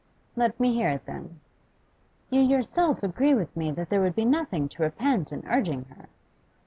'Let me hear it, then.' 'You yourself agree with me that there would be nothing to repent in urging her.